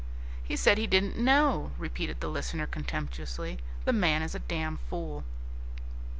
'" "He said he didn't know!" repeated the listener contemptuously; "the man is a damn fool!"